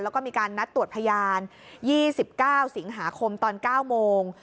แล้วก็มีการนัดตรวจพยาน๒๙สิงหาคมตอน๙โมง